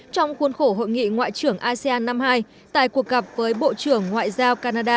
trong khuôn khổ hội nghị ngoại trưởng asean năm hai tại cuộc gặp với bộ trưởng ngoại giao canada